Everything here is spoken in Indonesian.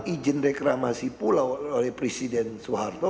izin reklamasi pulau oleh presiden soeharto